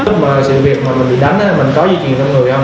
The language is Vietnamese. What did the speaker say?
lúc mà sự việc mà mình bị đánh á mình có duy trì trong người không